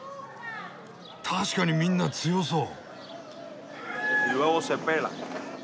確かにみんな強そう！